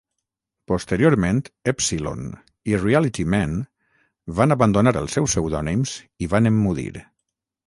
Posteriorment, "Epsilon" i "RealityMan" van abandonar els seus pseudònims i van emmudir.